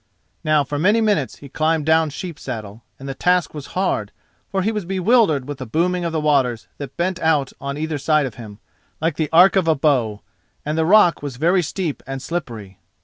Now for many minutes he climbed down Sheep saddle, and the task was hard, for he was bewildered with the booming of the waters that bent out on either side of him like the arc of a bow, and the rock was very steep and slippery.